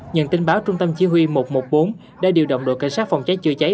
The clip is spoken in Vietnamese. nhận tin báo trung tâm chỉ huy một trăm một mươi bốn đã điều động đội cảnh sát phòng cháy chữa cháy